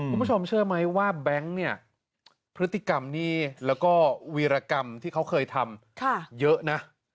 คุณผู้ชมเชื่อไหมว่าแบงค์เนี่ยพฤติกรรมนี้แล้วก็วีรกรรมที่เขาเคยทำเยอะนะ